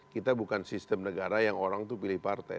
kita bukan sistem negara yang orang itu pilih partai